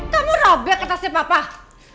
kamu robek atasnya bapak